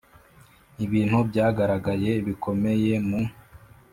ibintu byagaragaye bikomeye mu